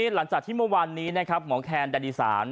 หลังจากที่เมื่อวันนี้หมอแคนแดนอีสาน